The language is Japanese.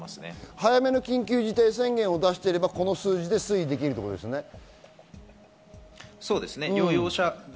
早めの緊急事態宣言が出していると、このグラフの推移で出るということですね。